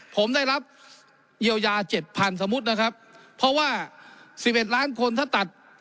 ผมได้รับเยียวยาเจ็ดพันสมมุตินะครับเพราะว่า๑๑ล้านคนถ้าตัด